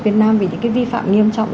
việt nam vì những cái vi phạm nghiêm trọng